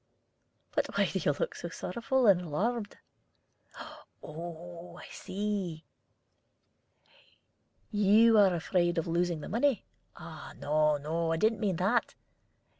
But why do you look so sorrowful and alarmed? Oh, I see: you are afraid of losing the money. No, no; I didn't mean that.